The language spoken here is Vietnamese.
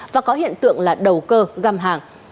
và có hiện tượng là đầu cơ găm hàng